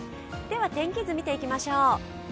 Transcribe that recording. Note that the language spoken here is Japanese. では天気図、見ていきましょう。